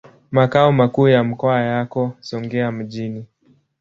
Makao makuu ya mkoa yako Songea mjini.